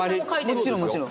もちろんもちろん。